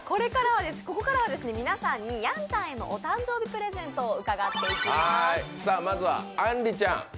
ここからは皆さんにやんちゃんへのお誕生日プレゼントを伺っていきます。